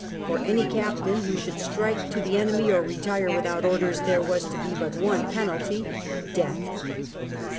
For any captain who should strike to the enemy or retire without orders there was to be but one penalty — death.